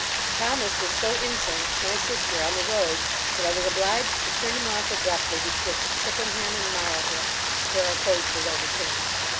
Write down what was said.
Thomas was so insolent to my sister on the road, that I was obliged to turn him off abruptly, betwixt Chippenham and Marlborough, where our coach was overturned.